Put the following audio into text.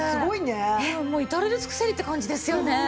もう至れり尽くせりって感じですよね。